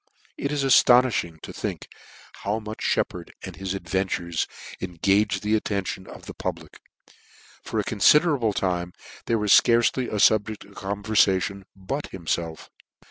It is aftonifliing to think how much Sheppard and his adventures engaged the attention of the public For a confiderable time there was fcarce ly a fubject of converfation but himfelf.